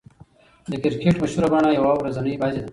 د کرکټ مشهوره بڼه يوه ورځنۍ بازي ده.